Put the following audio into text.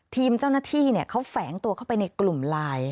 เจ้าหน้าที่เขาแฝงตัวเข้าไปในกลุ่มไลน์